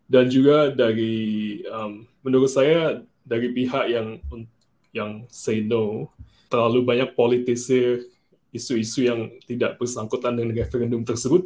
dan juga dari menurut saya dari pihak yang say no terlalu banyak politisi isu isu yang tidak bersangkutan dengan referendum tersebut